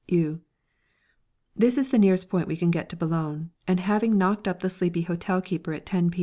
Eu. This is the nearest point we can get to Boulogne, and having knocked up the sleepy hotel keeper at 10 p.